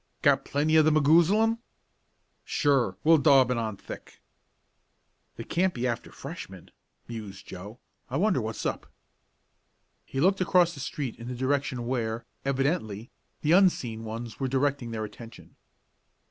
"Got plenty of the magoozilum?" "Sure. We'll daub it on thick." "They can't be after Freshmen," mused Joe. "I wonder what's up?" He looked across the street in the direction where, evidently, the unseen ones were directing their attention.